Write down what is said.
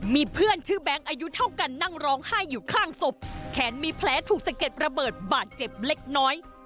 มีเพื่อนชื่อแบงค์อายุเท่ากันนั่งร้องไห้อยู่ข้างศพแขนมีแผลถูกสะเก็ดระเบิดบาดเจ็บเล็กน้อย